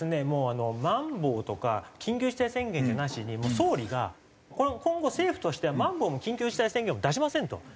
もうまん防とか緊急事態宣言じゃなしに総理が今後政府としてはまん防も緊急事態宣言も出しませんと。